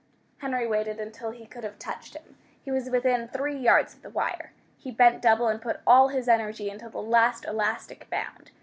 Henry waited until he could have touched him. He was within three yards of the wire. He bent double, and put all his energy into the last elastic bound.